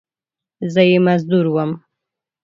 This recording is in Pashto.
زه یې مزدور وم !